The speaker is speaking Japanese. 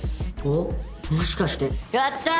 おっもしかしてやった！